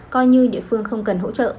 coi như địa phương không cần hỗ trợ